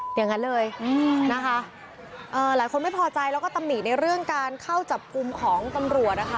อย่างนั้นเลยนะคะเอ่อหลายคนไม่พอใจแล้วก็ตำหนิในเรื่องการเข้าจับกลุ่มของตำรวจนะคะ